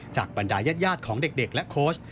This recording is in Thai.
บรรดายาดของเด็กและโค้ช